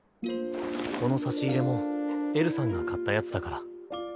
この差し入れもえるさんが買ったやつだから。